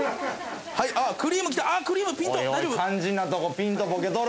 はいあクリームきたクリームピント